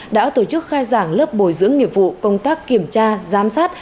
đã tổ chức khai giảng lớp bồi dưỡng nghiệp vụ công tác kiểm tra giám sát